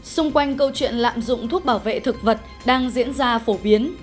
xung quanh câu chuyện lạm dụng thuốc bảo vệ thực vật đang diễn ra phổ biến